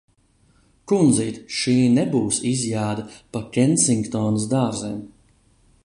Kundzīt, šī nebūs izjāde pa Kensingtonas dārziem!